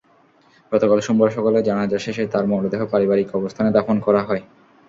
গতকাল সোমবার সকালে জানাজা শেষে তাঁর মরদেহ পারিবারিক কবরস্থানে দাফন করা হয়।